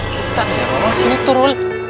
kita dari orang sini turun